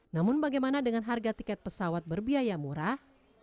namun bagaimana dengan harga tiket pesawat berbiaya murah